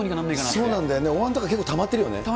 そうなんだよね、おわんとか結構たまってるよね。